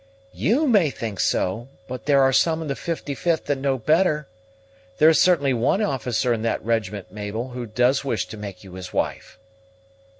"You may think so; but there are some in the 55th that know better. There is certainly one officer in that regiment, Mabel, who does wish to make you his wife."